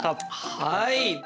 はい！